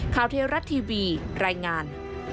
เทวรัฐทีวีรายงาน